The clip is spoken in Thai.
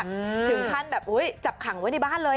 ถึงขั้นแบบอุ้ยจับขังไว้ในบ้านเลย